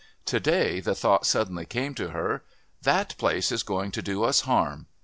To day the thought suddenly came to her, "That place is going to do us harm.